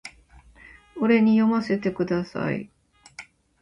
俺に読ませてください